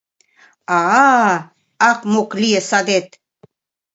А? — ак-мук лие садет.